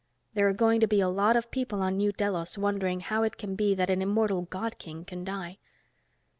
There are going to be a lot of people on New Delos wondering how it can be that an immortal God King can die."